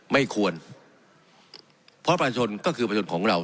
ไม่ควรเพราะประชนก็คือประชนของเรา